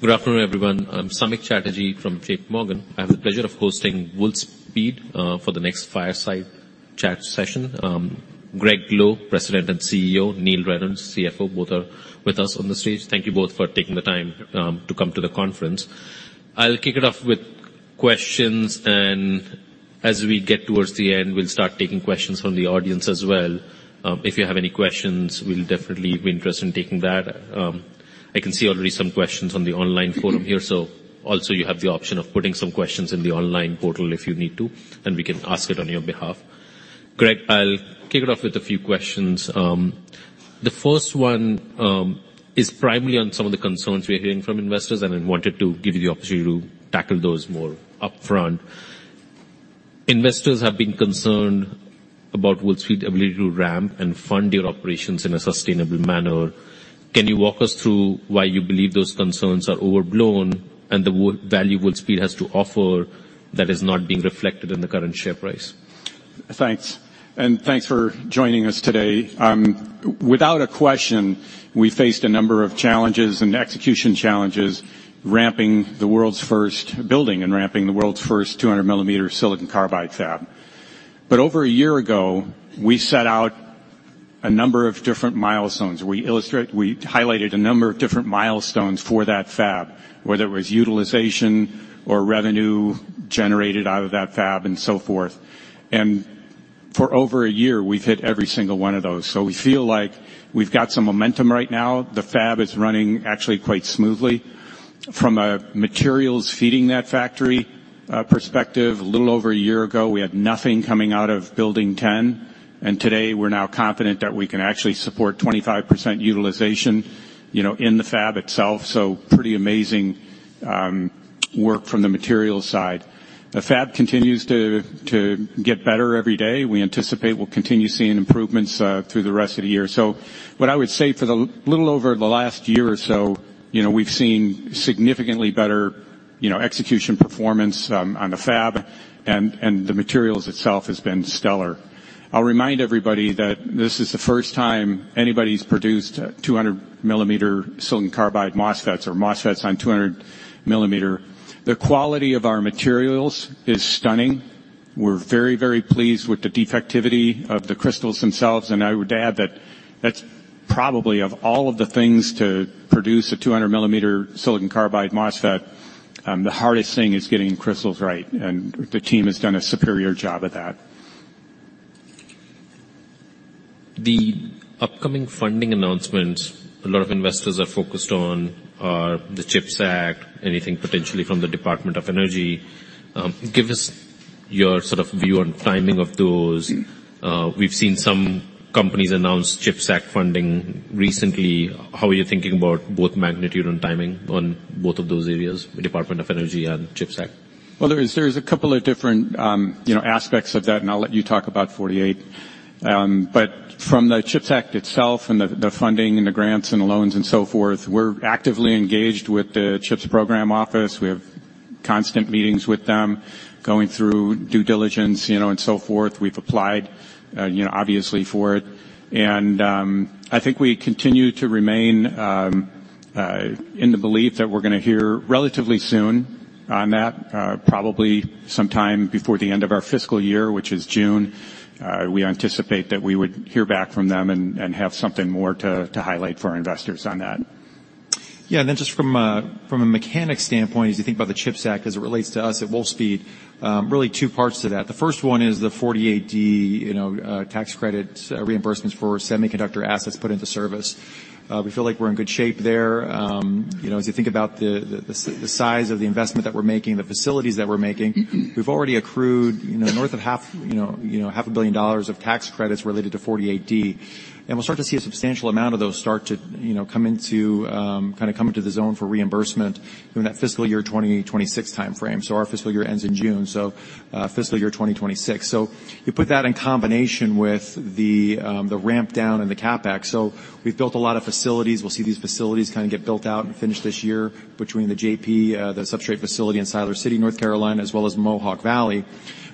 Good afternoon, everyone. I'm Samik Chatterjee from J.P. Morgan. I have the pleasure of hosting Wolfspeed for the next fireside chat session. Gregg Lowe, President and CEO, Neill Reynolds, CFO, both are with us on the stage. Thank you both for taking the time to come to the conference. I'll kick it off with questions, and as we get towards the end, we'll start taking questions from the audience as well. If you have any questions, we'll definitely be interested in taking that. I can see already some questions on the online forum here, so also you have the option of putting some questions in the online portal if you need to, and we can ask it on your behalf. Gregg, I'll kick it off with a few questions. The first one is primarily on some of the concerns we're hearing from investors, and I wanted to give you the opportunity to tackle those more upfront. Investors have been concerned about Wolfspeed's ability to ramp and fund your operations in a sustainable manner. Can you walk us through why you believe those concerns are overblown and the value Wolfspeed has to offer that is not being reflected in the current share price? Thanks, and thanks for joining us today. Without question, we faced a number of challenges and execution challenges ramping the world's first building and ramping the world's first 200 mm silicon carbide fab. But over a year ago, we set out a number of different milestones. We highlighted a number of different milestones for that fab, whether it was utilization or revenue generated out of that fab and so forth. And for over a year, we've hit every single one of those. So we feel like we've got some momentum right now. The fab is running actually quite smoothly. From a materials feeding that factory perspective, a little over a year ago, we had nothing coming out of Building 10, and today, we're now confident that we can actually support 25% utilization, you know, in the fab itself, so pretty amazing work from the materials side. The fab continues to get better every day. We anticipate we'll continue seeing improvements through the rest of the year. So what I would say for the little over the last year or so, you know, we've seen significantly better, you know, execution performance on the fab, and the materials itself has been stellar. I'll remind everybody that this is the first time anybody's produced a 200 mm silicon carbide MOSFETs or MOSFETs on 200 mm. The quality of our materials is stunning. We're very, very pleased with the defectivity of the crystals themselves, and I would add that that's probably of all of the things to produce a 200 mm silicon carbide MOSFET, the hardest thing is getting the crystals right, and the team has done a superior job at that. The upcoming funding announcements, a lot of investors are focused on, are the CHIPS Act, anything potentially from the Department of Energy. Give us your sort of view on timing of those. We've seen some companies announce CHIPS Act funding recently. How are you thinking about both magnitude and timing on both of those areas, the Department of Energy and CHIPS Act? Well, there is a couple of different, you know, aspects of that, and I'll let you talk about 48. But from the CHIPS Act itself and the funding and the grants and the loans and so forth, we're actively engaged with the CHIPS Program Office. We have constant meetings with them, going through due diligence, you know, and so forth. We've applied, you know, obviously for it. And I think we continue to remain in the belief that we're gonna hear relatively soon on that, probably sometime before the end of our fiscal year, which is June. We anticipate that we would hear back from them and have something more to highlight for our investors on that. Yeah, and then just from a mechanics standpoint, as you think about the CHIPS Act as it relates to us at Wolfspeed, really two parts to that. The first one is the 48D, you know, tax credit, reimbursements for semiconductor assets put into service. We feel like we're in good shape there. You know, as you think about the size of the investment that we're making, the facilities that we're making, we've already accrued, you know, north of half, you know, you know, $500 million of tax credits related to 48D. And we'll start to see a substantial amount of those start to, you know, come into, kinda come into the zone for reimbursement in that fiscal year 2020-2026 timeframe. So our fiscal year ends in June, so, fiscal year 2026. So you put that in combination with the, the ramp down in the CapEx. So we've built a lot of facilities. We'll see these facilities kind of get built out and finished this year between the JP, the substrate facility in Siler City, North Carolina, as well as Mohawk Valley.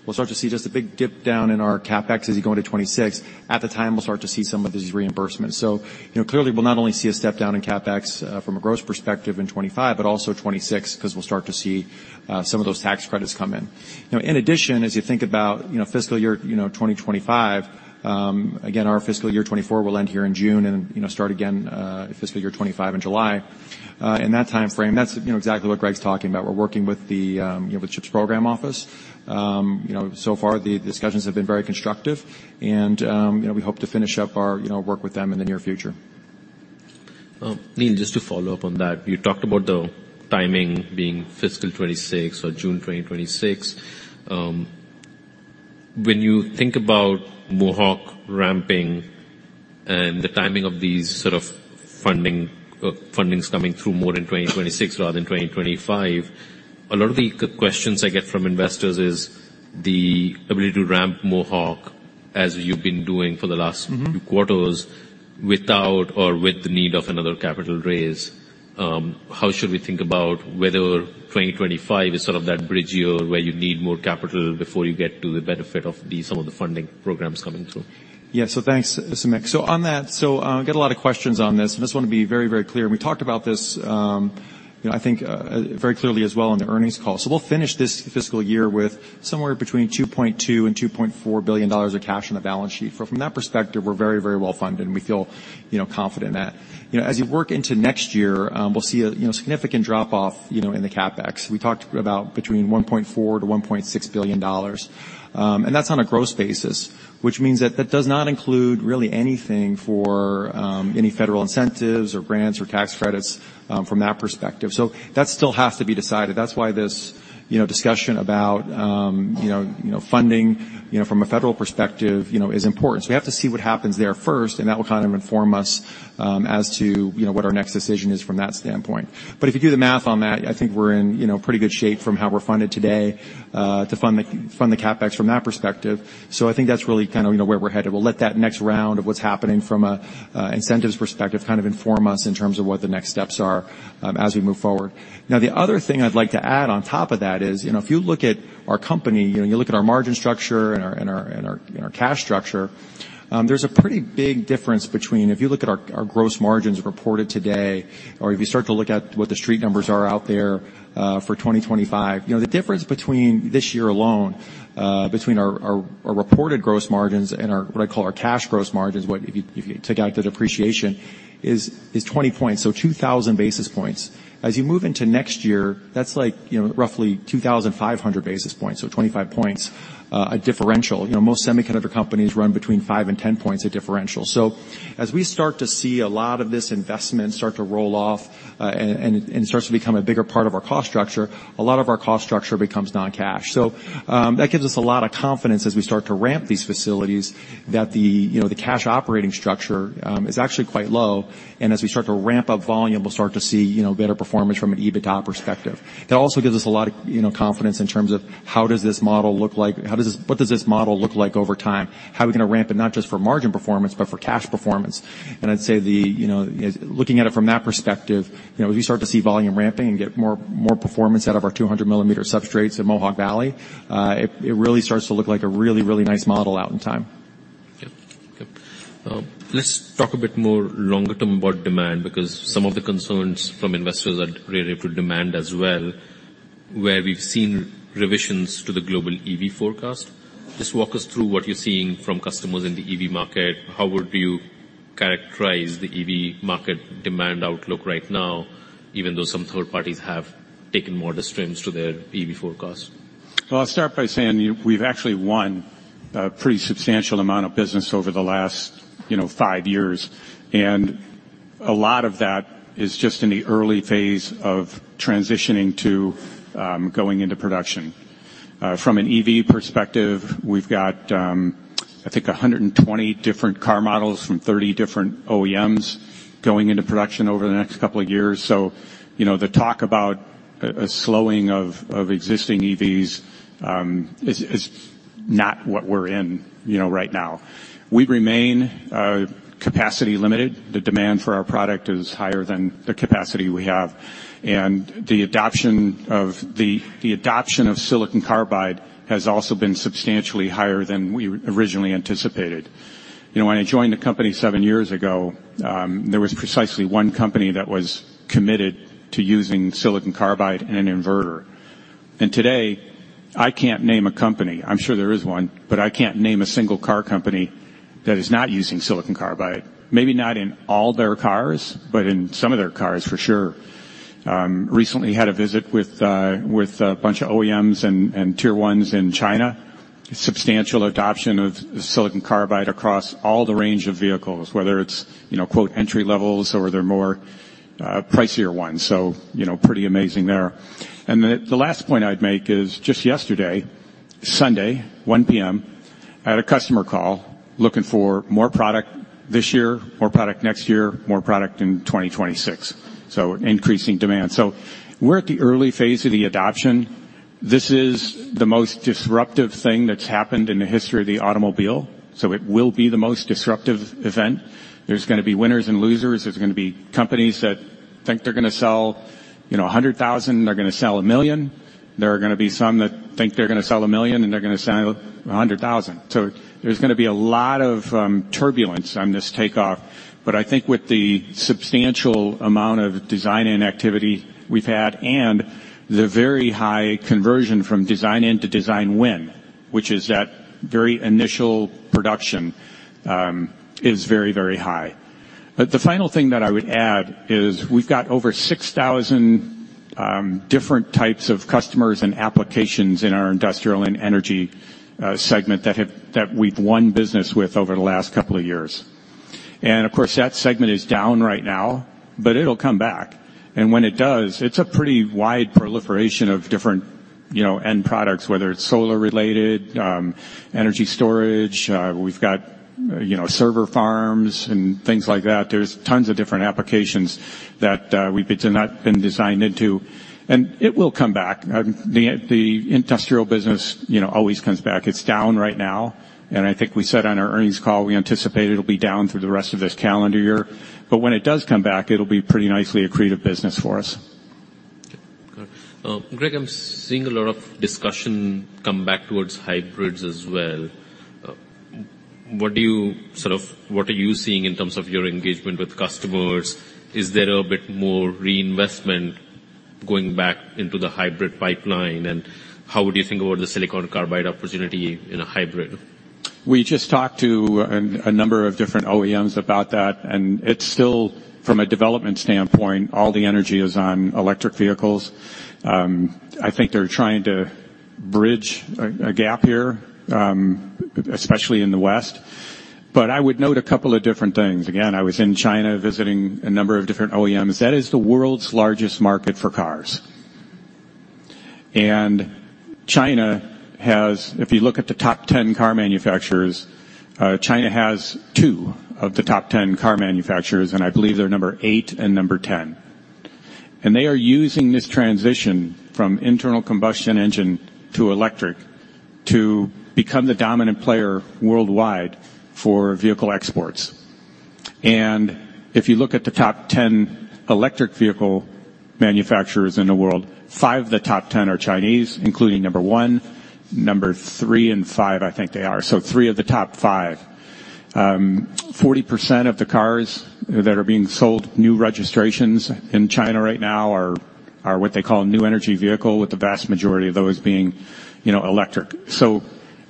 We'll start to see just a big dip down in our CapEx as you go into 2026. At the time, we'll start to see some of these reimbursements. So you know, clearly, we'll not only see a step down in CapEx, from a growth perspective in 2025, but also 2026, 'cause we'll start to see, some of those tax credits come in. Now, in addition, as you think about, you know, fiscal year 2025, again, our fiscal year 2024 will end here in June and, you know, start again, fiscal year 2025 in July. In that timeframe, that's, you know, exactly what Gregg's talking about. We're working with the, you know, the CHIPS Program Office. So far, the discussions have been very constructive, and, you know, we hope to finish up our, you know, work with them in the near future. Neill, just to follow up on that, you talked about the timing being fiscal 2026 or June 2026. When you think about Mohawk ramping and the timing of these sort of funding, fundings coming through more in 2026 rather than 2025, a lot of the questions I get from investors is the ability to ramp Mohawk as you've been doing for the last- Mm-hmm. quarters, without or with the need of another capital raise. How should we think about whether 2025 is sort of that bridge year where you need more capital before you get to the benefit of the, some of the funding programs coming through? Yeah, so thanks, Samik. So on that, so, we get a lot of questions on this, and I just want to be very, very clear, and we talked about this, you know, I think, very clearly as well on the earnings call. So we'll finish this fiscal year with somewhere between $2.2 billion and $2.4 billion of cash on the balance sheet. From that perspective, we're very, very well-funded, and we feel, you know, confident in that. You know, as you work into next year, we'll see a, you know, significant drop-off, you know, in the CapEx. We talked about between $1.4 billion-$1.6 billion, and that's on a gross basis, which means that that does not include really anything for, any federal incentives or grants or tax credits, from that perspective. So that still has to be decided. That's why this, you know, discussion about, you know, you know, funding, you know, from a federal perspective, you know, is important. So we have to see what happens there first, and that will kind of inform us, as to, you know, what our next decision is from that standpoint. But if you do the math on that, I think we're in, you know, pretty good shape from how we're funded today, to fund the, fund the CapEx from that perspective. So I think that's really kind of, you know, where we're headed. We'll let that next round of what's happening from a incentives perspective kind of inform us in terms of what the next steps are, as we move forward. Now, the other thing I'd like to add on top of that is, you know, if you look at our company, you know, you look at our margin structure and our cash structure, there's a pretty big difference between if you look at our gross margins reported today or if you start to look at what the street numbers are out there for 2025. You know, the difference between this year alone between our reported gross margins and our, what I call our cash gross margins, what if you take out the depreciation, is 20 points, so 2,000 basis points. As you move into next year, that's like, you know, roughly 2,500 basis points, so 25 points, a differential. You know, most semiconductor companies run between five and 10 points at differential. So as we start to see a lot of this investment start to roll off, and it starts to become a bigger part of our cost structure, a lot of our cost structure becomes non-cash. So, that gives us a lot of confidence as we start to ramp these facilities that the, you know, the cash operating structure is actually quite low, and as we start to ramp up volume, we'll start to see, you know, better performance from an EBITDA perspective. That also gives us a lot of, you know, confidence in terms of how does this model look like, what does this model look like over time? How are we going to ramp it, not just for margin performance, but for cash performance? I'd say, you know, looking at it from that perspective, you know, as we start to see volume ramping and get more, more performance out of our 200 mm substrates at Mohawk Valley, it really starts to look like a really, really nice model out in time. Yep. Yep. Let's talk a bit more longer term about demand, because some of the concerns from investors are related to demand as well, where we've seen revisions to the global EV forecast. Just walk us through what you're seeing from customers in the EV market. How would you characterize the EV market demand outlook right now, even though some third parties have taken more restraints to their EV forecast? Well, I'll start by saying we've actually won a pretty substantial amount of business over the last, you know, five years, and a lot of that is just in the early phase of transitioning to going into production. From an EV perspective, we've got, I think, 120 different car models from 30 different OEMs going into production over the next couple of years. So, you know, the talk about a slowing of existing EVs is not what we're in, you know, right now. We remain capacity limited. The demand for our product is higher than the capacity we have, and the adoption of silicon carbide has also been substantially higher than we originally anticipated. You know, when I joined the company seven years ago, there was precisely one company that was committed to using silicon carbide in an inverter. And today, I can't name a company. I'm sure there is one, but I can't name a single car company that is not using silicon carbide. Maybe not in all their cars, but in some of their cars for sure. Recently had a visit with a bunch of OEMs and Tier 1s in China. Substantial adoption of silicon carbide across all the range of vehicles, whether it's, you know, quote, "entry levels" or they're more pricier ones, so, you know, pretty amazing there. And the last point I'd make is just yesterday, Sunday, 1:00 P.M., I had a customer call looking for more product this year, more product next year, more product in 2026, so increasing demand. So we're at the early phase of the adoption. This is the most disruptive thing that's happened in the history of the automobile, so it will be the most disruptive event. There's gonna be winners and losers. There's gonna be companies that think they're gonna sell, you know, 100,000, and they're gonna sell 1,000,000. There are gonna be some that think they're gonna sell 1,000,000, and they're gonna sell 100,000. So there's gonna be a lot of turbulence on this takeoff, but I think with the substantial amount of design and activity we've had and the very high conversion from design in to design win, which is that very initial production, is very, very high. But the final thing that I would add is we've got over 6,000 different types of customers and applications in our industrial and energy segment that we've won business with over the last couple of years. And of course, that segment is down right now, but it'll come back, and when it does, it's a pretty wide proliferation of different, you know, end products, whether it's solar related, energy storage. We've got, you know, server farms and things like that. There's tons of different applications that we've been designed into, and it will come back. The industrial business, you know, always comes back. It's down right now, and I think we said on our earnings call, we anticipate it'll be down through the rest of this calendar year, but when it does come back, it'll be pretty nicely accretive business for us. Gregg, I'm seeing a lot of discussion come back towards hybrids as well. What are you seeing in terms of your engagement with customers? Is there a bit more reinvestment going back into the hybrid pipeline? And how would you think about the silicon carbide opportunity in a hybrid? We just talked to a number of different OEMs about that, and it's still, from a development standpoint, all the energy is on electric vehicles. I think they're trying to bridge a gap here, especially in the West. But I would note a couple of different things. Again, I was in China visiting a number of different OEMs. That is the world's largest market for cars. And China has, if you look at the top 10 car manufacturers, China has two of the top 10 car manufacturers, and I believe they're number eight and number 10. And they are using this transition from internal combustion engine to electric to become the dominant player worldwide for vehicle exports. If you look at the top 10 electric vehicle manufacturers in the world, five of the top 10 are Chinese, including number one, number three, and five, I think they are. So three of the top five. Forty percent of the cars that are being sold, new registrations in China right now, are what they call a new energy vehicle, with the vast majority of those being, you know, electric. So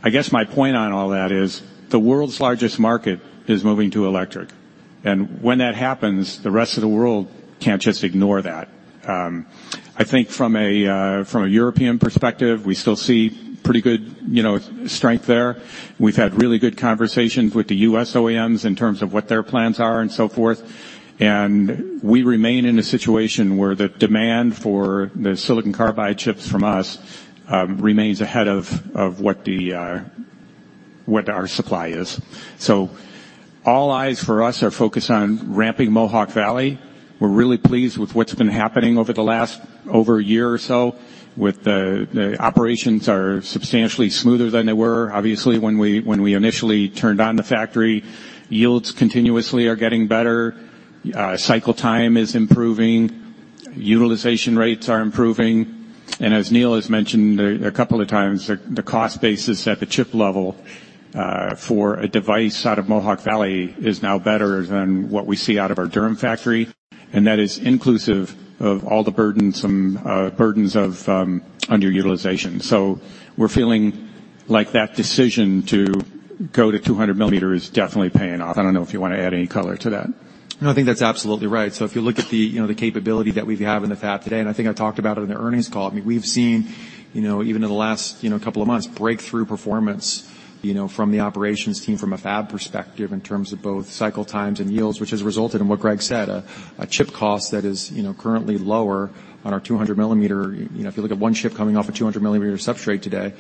I guess my point on all that is, the world's largest market is moving to electric, and when that happens, the rest of the world can't just ignore that. I think from a European perspective, we still see pretty good, you know, strength there. We've had really good conversations with the U.S. OEMs in terms of what their plans are and so forth. We remain in a situation where the demand for the silicon carbide chips from us remains ahead of what our supply is. So all eyes for us are focused on ramping Mohawk Valley. We're really pleased with what's been happening over the last year or so, with the operations are substantially smoother than they were, obviously, when we initially turned on the factory. Yields continuously are getting better, cycle time is improving, utilization rates are improving, and as Neill has mentioned a couple of times, the cost basis at the chip level for a device out of Mohawk Valley is now better than what we see out of our Durham factory, and that is inclusive of all the burdensome burdens of underutilization. So we're feeling like that decision to go to 200 mm is definitely paying off. I don't know if you want to add any color to that. No, I think that's absolutely right. So if you look at the, you know, the capability that we have in the fab today, and I think I talked about it in the earnings call, I mean, we've seen, you know, even in the last, you know, couple of months, breakthrough performance, you know, from the operations team, from a fab perspective, in terms of both cycle times and yields, which has resulted in what Gregg said, a chip cost that is, you know, currently lower on our 200 mm. You know, if you look at one chip coming off a 200 mm substrate today,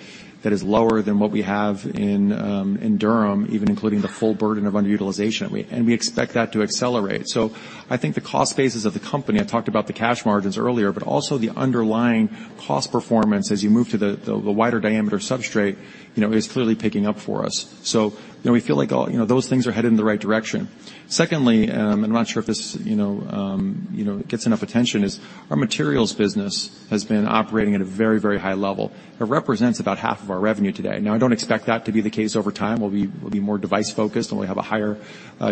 that is lower than what we have in Durham, even including the full burden of underutilization. And we expect that to accelerate. So I think the cost bases of the company, I talked about the cash margins earlier, but also the underlying cost performance as you move to the wider diameter substrate, you know, is clearly picking up for us. So, you know, we feel like all, you know, those things are headed in the right direction. Secondly, and I'm not sure if this, you know, gets enough attention, is our materials business has been operating at a very, very high level. It represents about half of our revenue today. Now, I don't expect that to be the case over time. We'll be more device-focused, and we'll have a higher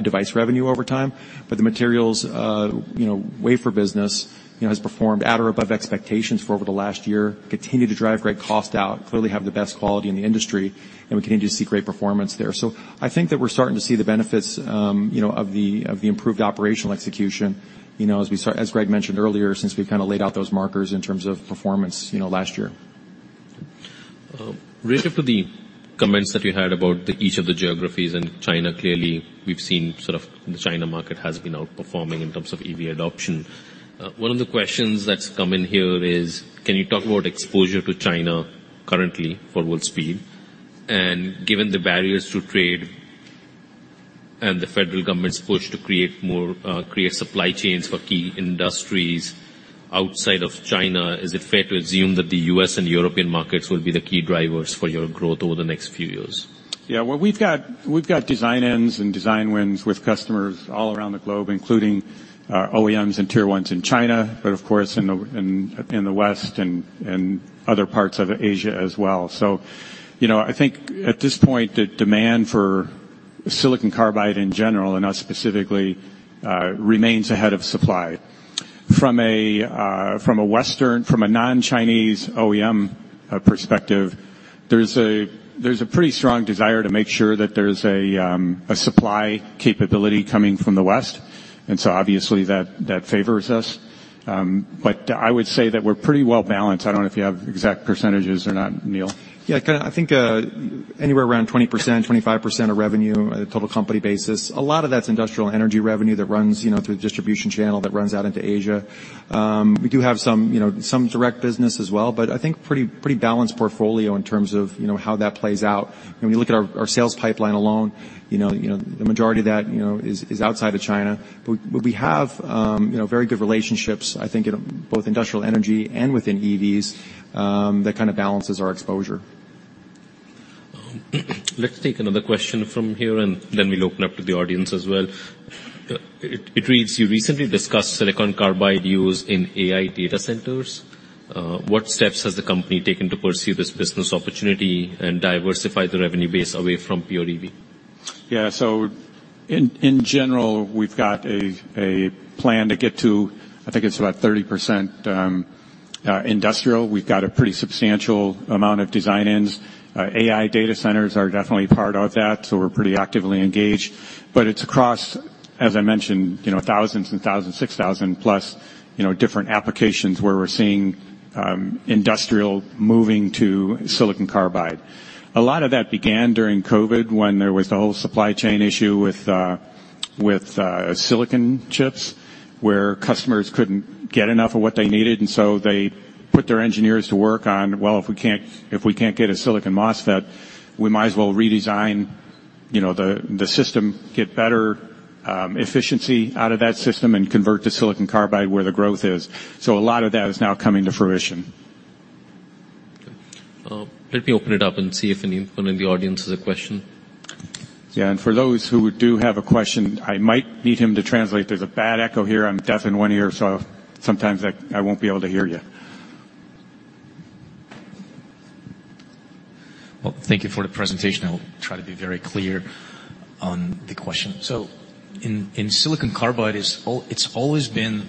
device revenue over time. But the materials, you know, wafer business, you know, has performed at or above expectations for over the last year, continue to drive great cost out, clearly have the best quality in the industry, and we continue to see great performance there. So I think that we're starting to see the benefits, you know, of the improved operational execution, you know, as Gregg mentioned earlier, since we've kind of laid out those markers in terms of performance, you know, last year. Related to the comments that you had about each of the geographies, and China, clearly, we've seen sort of the China market has been outperforming in terms of EV adoption. One of the questions that's come in here is, can you talk about exposure to China currently for Wolfspeed? And given the barriers to trade and the federal government's push to create more, create supply chains for key industries outside of China, is it fair to assume that the U.S. and European markets will be the key drivers for your growth over the next few years? Yeah, well, we've got, we've got design-ins and design wins with customers all around the globe, including OEMs and Tier 1s in China, but of course, in the West and other parts of Asia as well. So, you know, I think at this point, the demand for silicon carbide in general, and not specifically, remains ahead of supply. From a Western, from a non-Chinese OEM perspective, there's a pretty strong desire to make sure that there's a supply capability coming from the West, and so obviously, that favors us. But I would say that we're pretty well balanced. I don't know if you have exact percentages or not, Neill. Yeah, I kinda, I think, anywhere around 20%-25% of revenue on a total company basis. A lot of that's industrial energy revenue that runs, you know, through the distribution channel that runs out into Asia. We do have some, you know, some direct business as well, but I think pretty, pretty balanced portfolio in terms of, you know, how that plays out. When you look at our, our sales pipeline alone, you know, you know, the majority of that, you know, is, is outside of China. But, but we have, you know, very good relationships, I think in both industrial energy and within EVs, that kind of balances our exposure. Let's take another question from here, and then we'll open up to the audience as well. It reads: You recently discussed silicon carbide use in AI data centers. What steps has the company taken to pursue this business opportunity and diversify the revenue base away from pure EV? Yeah, so in general, we've got a plan to get to... I think it's about 30% industrial. We've got a pretty substantial amount of design-ins. AI data centers are definitely part of that, so we're pretty actively engaged. But it's across, as I mentioned, you know, thousands and thousands, 6,000+, you know, different applications where we're seeing industrial moving to silicon carbide. A lot of that began during COVID, when there was the whole supply chain issue with silicon chips, where customers couldn't get enough of what they needed, and so they put their engineers to work on, "Well, if we can't, if we can't get a silicon MOSFET, we might as well redesign, you know, the system, get better efficiency out of that system and convert to silicon carbide where the growth is." So a lot of that is now coming to fruition. Okay. Let me open it up and see if anyone in the audience has a question? Yeah, and for those who do have a question, I might need him to translate. There's a bad echo here. I'm deaf in one ear, so sometimes I, I won't be able to hear you. Well, thank you for the presentation. I will try to be very clear on the question. So in silicon carbide, it's always been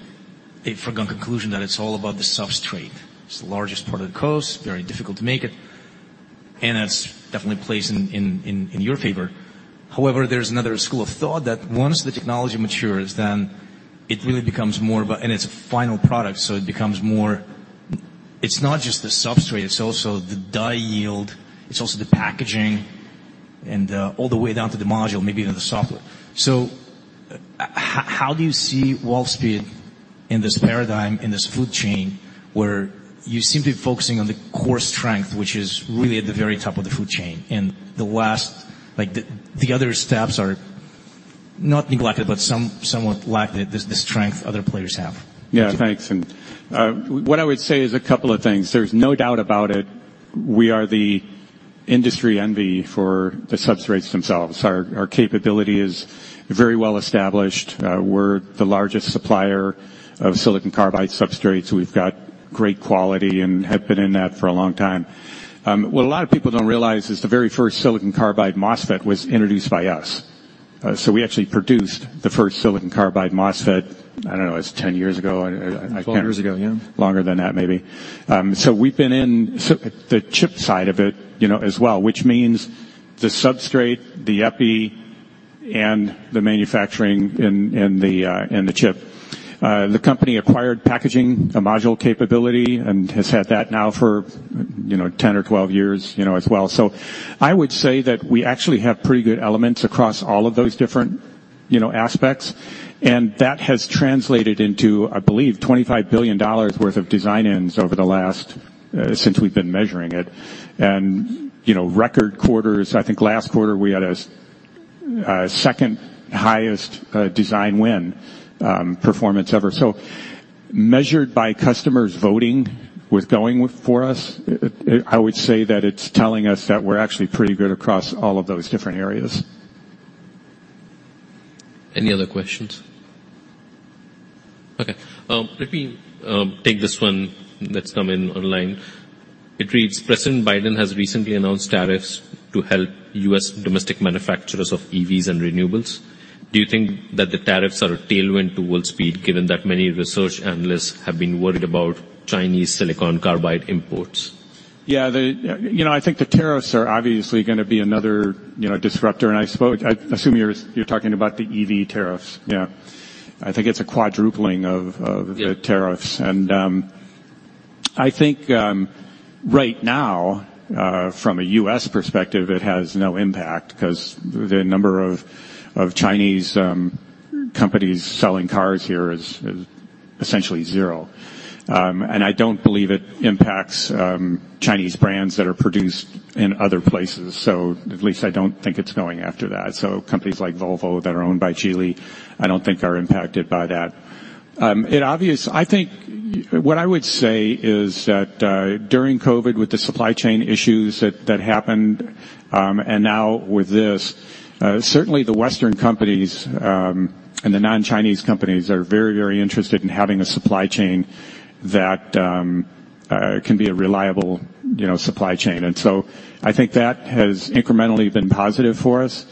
a foregone conclusion that it's all about the substrate. It's the largest part of the cost, very difficult to make it, and that's definitely plays in your favor. However, there's another school of thought that once the technology matures, then it really becomes more about... And it's a final product, so it becomes more. It's not just the substrate, it's also the die yield, it's also the packaging, and all the way down to the module, maybe even the software. How do you see Wolfspeed in this paradigm, in this food chain, where you seem to be focusing on the core strength, which is really at the very top of the food chain, and the last—like, the other steps are not neglected, but somewhat lack the strength other players have? Yeah, thanks. What I would say is a couple of things. There's no doubt about it, we are the industry envy for the substrates themselves. Our capability is very well established. We're the largest supplier of silicon carbide substrates. We've got great quality and have been in that for a long time. What a lot of people don't realize is the very first silicon carbide MOSFET was introduced by us. So we actually produced the first silicon carbide MOSFET, I don't know, it's 10 years ago, I can't- 12 years ago, yeah. Longer than that, maybe. So we've been in the chip side of it, you know, as well, which means the substrate, the epi, and the manufacturing and the chip. The company acquired packaging, the module capability, and has had that now for, you know, 10 or 12 years, you know, as well. So I would say that we actually have pretty good elements across all of those different, you know, aspects, and that has translated into, I believe, $25 billion worth of design-ins over the last, since we've been measuring it. And, you know, record quarters, I think last quarter we had a second-highest design win performance ever. So measured by customers voting with going with for us, I would say that it's telling us that we're actually pretty good across all of those different areas. Any other questions? Okay, let me take this one that's come in online. It reads: President Biden has recently announced tariffs to help U.S. domestic manufacturers of EVs and renewables. Do you think that the tariffs are a tailwind to Wolfspeed, given that many research analysts have been worried about Chinese silicon carbide imports? Yeah, the... You know, I think the tariffs are obviously gonna be another, you know, disruptor. And I suppose- I assume you're, you're talking about the EV tariffs. Yeah. I think it's a quadrupling of, of- Yeah.... the tariffs. And I think right now from a U.S. perspective, it has no impact, 'cause the number of Chinese companies selling cars here is essentially zero. And I don't believe it impacts Chinese brands that are produced in other places, so at least I don't think it's going after that. So companies like Volvo that are owned by Geely, I don't think are impacted by that. And I think what I would say is that during COVID, with the supply chain issues that happened, and now with this, certainly the Western companies and the non-Chinese companies are very, very interested in having a supply chain that can be a reliable, you know, supply chain. And so I think that has incrementally been positive for us.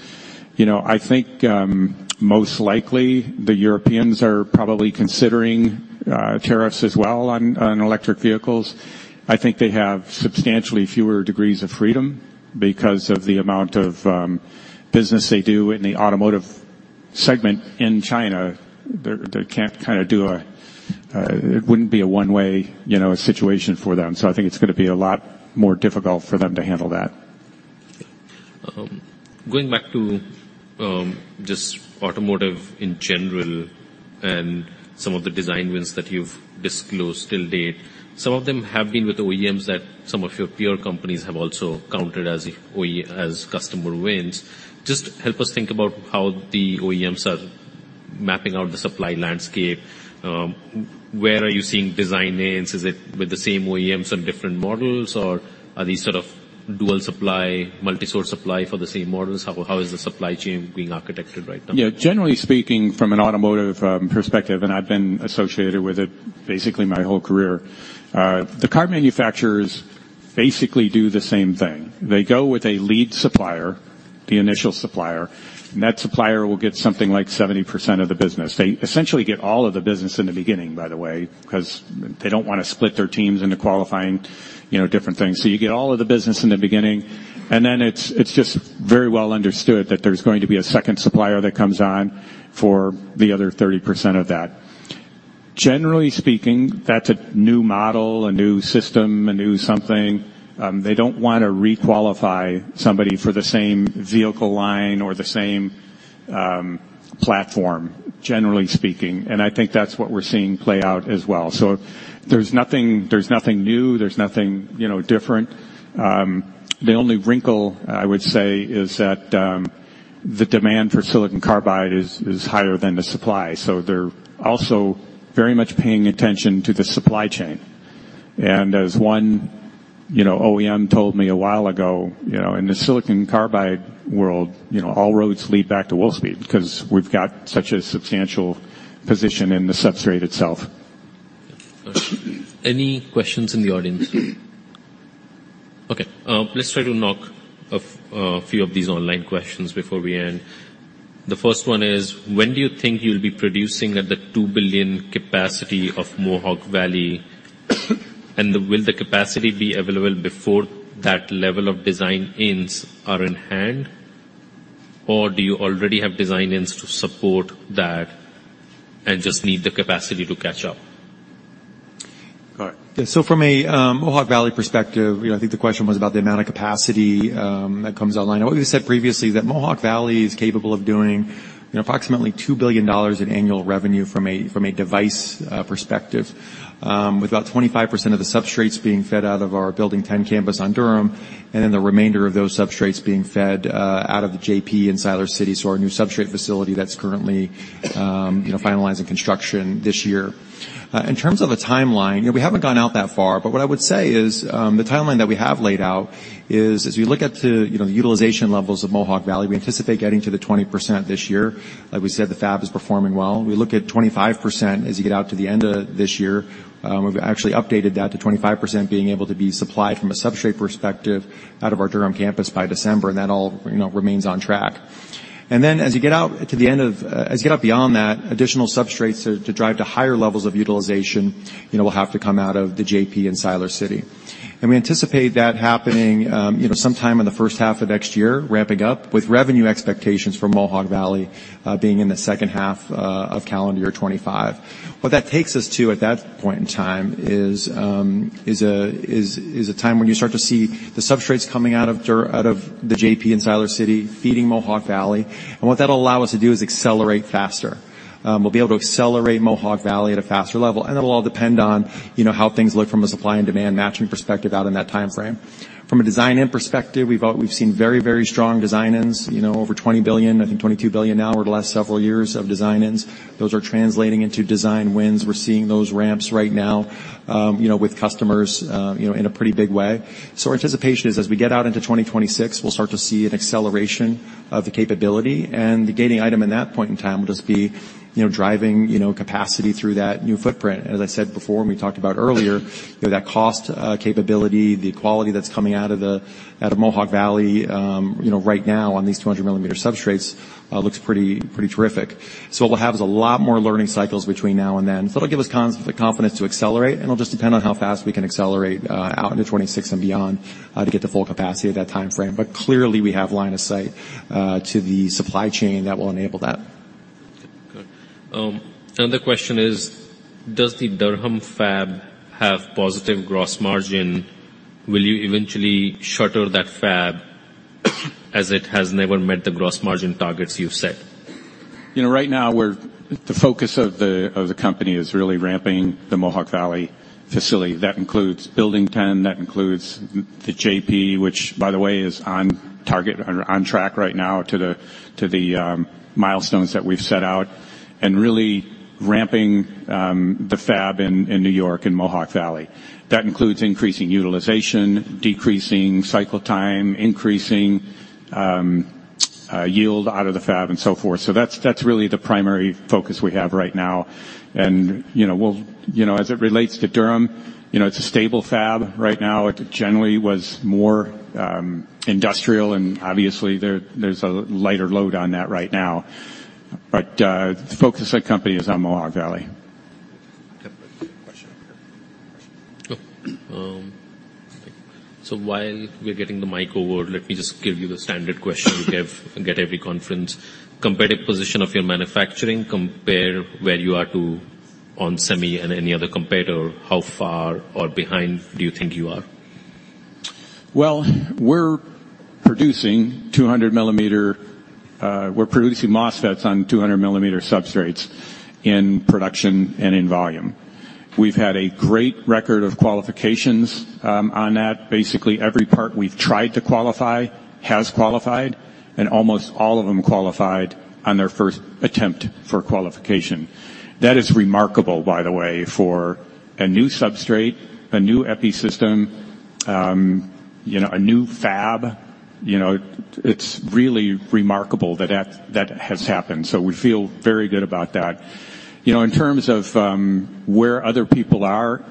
You know, I think most likely, the Europeans are probably considering tariffs as well on electric vehicles. I think they have substantially fewer degrees of freedom because of the amount of business they do in the automotive segment in China. They're, they can't kind of do a... It wouldn't be a one-way, you know, situation for them, so I think it's gonna be a lot more difficult for them to handle that. Going back to just automotive in general and some of the design wins that you've disclosed to date, some of them have been with OEMs that some of your peer companies have also counted as OEM customer wins. Just help us think about how the OEMs are mapping out the supply landscape, where are you seeing design wins? Is it with the same OEMs and different models, or are these sort of dual supply, multi-source supply for the same models? How, how is the supply chain being architected right now? Yeah, generally speaking, from an automotive perspective, and I've been associated with it basically my whole career, the car manufacturers basically do the same thing. They go with a lead supplier, the initial supplier, and that supplier will get something like 70% of the business. They essentially get all of the business in the beginning, by the way, 'cause they don't wanna split their teams into qualifying, you know, different things. So you get all of the business in the beginning, and then it's just very well understood that there's going to be a second supplier that comes on for the other 30% of that. Generally speaking, that's a new model, a new system, a new something. They don't want to re-qualify somebody for the same vehicle line or the same platform, generally speaking, and I think that's what we're seeing play out as well. So there's nothing, there's nothing new, there's nothing, you know, different. The only wrinkle, I would say, is that the demand for silicon carbide is higher than the supply, so they're also very much paying attention to the supply chain. And as one, you know, OEM told me a while ago, you know, in the silicon carbide world, you know, all roads lead back to Wolfspeed, 'cause we've got such a substantial position in the substrate itself. Any questions in the audience? Okay, let's try to knock a few of these online questions before we end. The first one is: When do you think you'll be producing at the $2 billion capacity of Mohawk Valley? And will the capacity be available before that level of design wins are in hand, or do you already have design wins to support that and just need the capacity to catch up? So from a Mohawk Valley perspective, you know, I think the question was about the amount of capacity that comes online. What we've said previously, that Mohawk Valley is capable of doing, you know, approximately $2 billion in annual revenue from a device perspective. With about 25% of the substrates being fed out of our Building 10 campus on Durham, and then the remainder of those substrates being fed out of the JP in Siler City, so our new substrate facility that's currently finalizing construction this year. In terms of a timeline, you know, we haven't gone out that far, but what I would say is the timeline that we have laid out is, as we look at the utilization levels of Mohawk Valley, we anticipate getting to the 20% this year. Like we said, the fab is performing well. We look at 25% as you get out to the end of this year. We've actually updated that to 25% being able to be supplied from a substrate perspective out of our Durham campus by December, and that all, you know, remains on track. And then, as you get out to the end of, as you get out beyond that, additional substrates to, to drive to higher levels of utilization, you know, will have to come out of the JP in Siler City. And we anticipate that happening, you know, sometime in the first half of next year, ramping up, with revenue expectations from Mohawk Valley being in the second half of calendar year 2025. What that takes us to at that point in time is a time when you start to see the substrates coming out of the JP in Siler City, feeding Mohawk Valley. And what that'll allow us to do is accelerate faster. We'll be able to accelerate Mohawk Valley at a faster level, and it'll all depend on, you know, how things look from a supply and demand matching perspective out in that timeframe. From a design-in perspective, we've seen very, very strong design-ins, you know, over $20 billion, I think $22 billion now over the last several years of design-ins. Those are translating into design wins. We're seeing those ramps right now, you know, with customers in a pretty big way. So our anticipation is, as we get out into 2026, we'll start to see an acceleration of the capability, and the gating item at that point in time will just be, you know, driving, you know, capacity through that new footprint. As I said before, and we talked about earlier, you know, that cost, capability, the quality that's coming out of out of Mohawk Valley, you know, right now on these 200 millimeter substrates, looks pretty, pretty terrific. So what we'll have is a lot more learning cycles between now and then. So it'll give us the confidence to accelerate, and it'll just depend on how fast we can accelerate, out into 2026 and beyond, to get to full capacity at that timeframe. But clearly, we have line of sight, to the supply chain that will enable that. Good. Another question is, does the Durham fab have positive gross margin? Will you eventually shutter that fab as it has never met the gross margin targets you've set? You know, right now, we're the focus of the company is really ramping the Mohawk Valley facility. That includes Building 10, that includes the JP, which by the way, is on target, on track right now to the milestones that we've set out, and really ramping the fab in New York and Mohawk Valley. That includes increasing utilization, decreasing cycle time, increasing yield out of the fab, and so forth. So that's, that's really the primary focus we have right now, and, you know, we'll... You know, as it relates to Durham, you know, it's a stable fab right now. It generally was more industrial, and obviously, there's a lighter load on that right now, but the focus of the company is on Mohawk Valley. So, while we're getting the mic over, let me just give you the standard question we give/get every conference. Competitive position of your manufacturing, compare where you are to onsemi and any other competitor, how far or behind do you think you are? Well, we're producing 200 mm, we're producing MOSFETs on 200 mm substrates in production and in volume. We've had a great record of qualifications on that. Basically, every part we've tried to qualify has qualified, and almost all of them qualified on their first attempt for qualification. That is remarkable, by the way, for a new substrate, a new epi system, you know, a new fab, you know, it's really remarkable that that, that has happened, so we feel very good about that. You know, in terms of where other people are,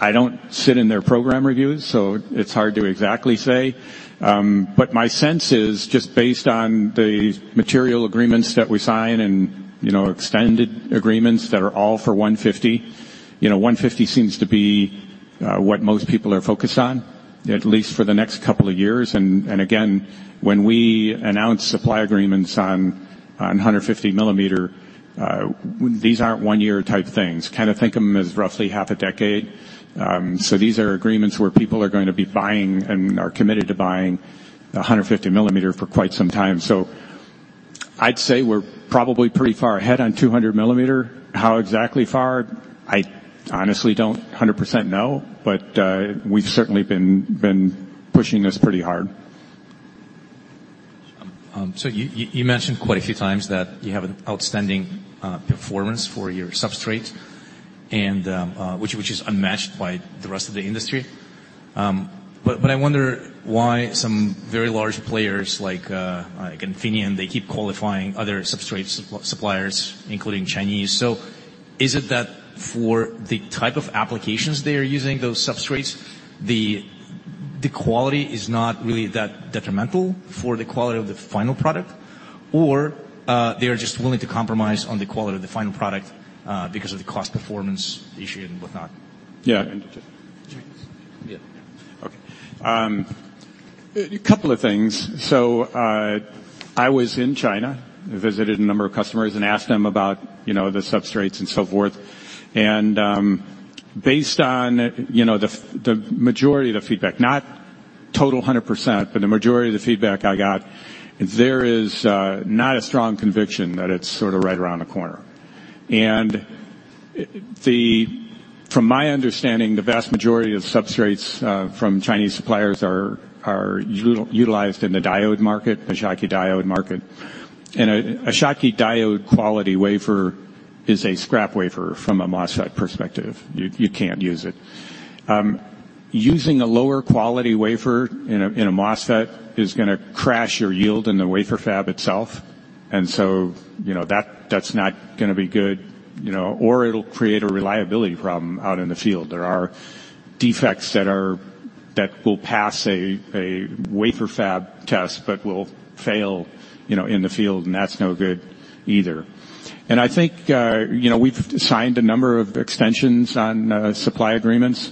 I don't sit in their program reviews, so it's hard to exactly say. But my sense is, just based on the material agreements that we sign and, you know, extended agreements that are all for 150, you know, 150 seems to be, what most people are focused on, at least for the next couple of years. And again, when we announce supply agreements on 150 millimeter, these aren't one year type things. Kinda think of them as roughly half a decade. So these are agreements where people are going to be buying and are committed to buying 150 mm for quite some time. So I'd say we're probably pretty far ahead on 200 mm. How exactly far? I honestly don't 100% know, but, we've certainly been pushing this pretty hard. So you mentioned quite a few times that you have an outstanding performance for your substrate, and which is unmatched by the rest of the industry. But I wonder why some very large players, like Infineon, they keep qualifying other substrate suppliers, including Chinese. So is it that for the type of applications they are using those substrates, the quality is not really that detrimental for the quality of the final product, or they are just willing to compromise on the quality of the final product because of the cost, performance issue and whatnot? Yeah. Yeah. Okay. A couple of things. So, I was in China, visited a number of customers and asked them about, you know, the substrates and so forth. And, based on, you know, the majority of the feedback, not total a hundred percent, but the majority of the feedback I got, there is not a strong conviction that it's sort of right around the corner. And the... From my understanding, the vast majority of substrates from Chinese suppliers are utilized in the diode market, the Schottky diode market. And a Schottky diode quality wafer is a scrap wafer from a MOSFET perspective. You can't use it. Using a lower quality wafer in a MOSFET is gonna crash your yield in the wafer fab itself, and so, you know, that, that's not gonna be good, you know, or it'll create a reliability problem out in the field. There are defects that will pass a wafer fab test but will fail, you know, in the field, and that's no good either. And I think, you know, we've signed a number of extensions on supply agreements.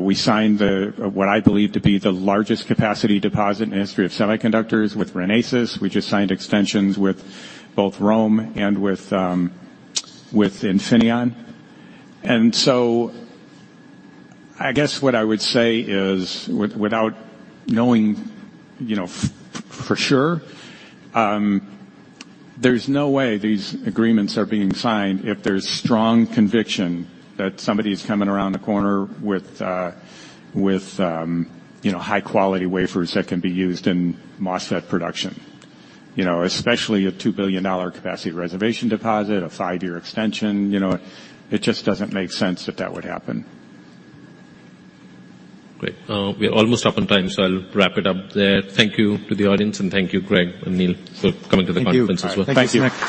We signed the, what I believe to be the largest capacity deposit in the history of semiconductors with Renesas. We just signed extensions with both ROHM and with Infineon. I guess what I would say is, without knowing, you know, for sure, there's no way these agreements are being signed if there's strong conviction that somebody's coming around the corner with, you know, high-quality wafers that can be used in MOSFET production. You know, especially a $2 billion capacity reservation deposit, a 5-year extension, you know, it just doesn't make sense that that would happen. Great. We are almost up on time, so I'll wrap it up there. Thank you to the audience, and thank you, Gregg and Neill, for coming to the conference as well. Thank you.